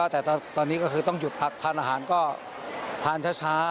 แต่ตอนนี้ก็คือต้องหยุดพักทานอาหารก็ทานช้า